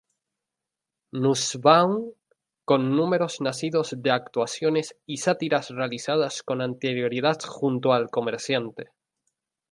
Nussbaum, con números nacidos de actuaciones y sátiras realizadas con anterioridad junto al comediante.